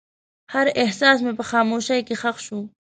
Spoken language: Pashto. هر احساس مې په خاموشۍ کې ښخ شو.